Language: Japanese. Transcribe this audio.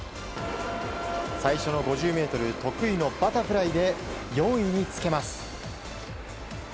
最初の５０ｍ得意のバタフライで４位につけます。